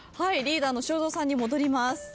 リーダーの正蔵さんに戻ります。